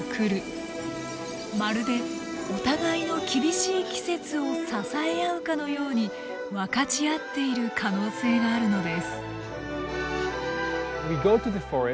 まるでお互いの厳しい季節を支え合うかのように分かち合っている可能性があるのです。